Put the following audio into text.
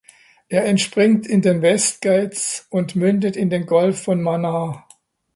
Er entspringt in den Westghats und mündet in den Golf von Mannar.